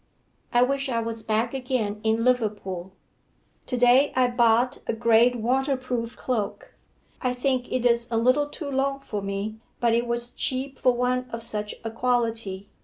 I wish I was back again in Liverpool. 'To day I bought a grey waterproof cloak. I think it is a little too long for me, but it was cheap for one of such a quality.